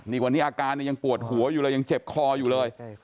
นี่วันนี้อาการเนี่ยยังปวดหัวอยู่เลยยังเจ็บคออยู่เลย